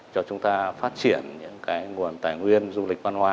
cho chúng ta phát triển những cái nguồn tài nguyên du lịch văn hóa